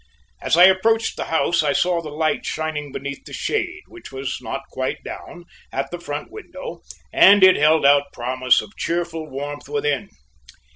As I approached the house, I saw the light shining beneath the shade which was not quite down at the front window, and it held out promise of cheerful warmth within.